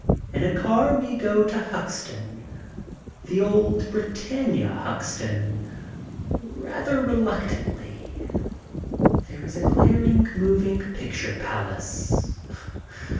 In a car we go to Huxton, the old Britannia Huxton, rather reluctantly. There is a glaring moving picture palace.